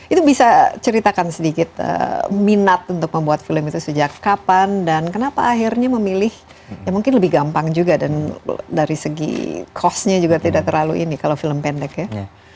itu bisa ceritakan sedikit minat untuk membuat film itu sejak kapan dan kenapa akhirnya memilih ya mungkin lebih gampang juga dan dari segi cost nya juga tidak terlalu ini kalau film pendek ya